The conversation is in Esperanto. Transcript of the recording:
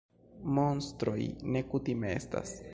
Monstroj ne kutime estas.